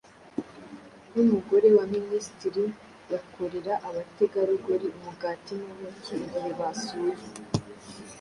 nk'umugore wa minisitiri, yakorera abategarugori umugati n'ubuki igihe basuye.